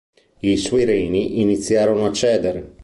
I suoi reni iniziarono a cedere.